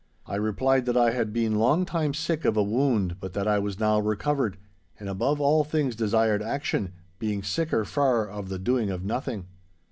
I replied that I had been long time sick of a wound, but that I was now recovered, and above all things desired action, being sicker far of the doing of nothing.